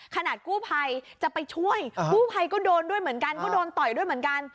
ขนาดกู้ภัยจะไปช่วยกู้ภัยก็โดนด้วยเหมือนกันก็โดนต่อยด้วยเหมือนกัน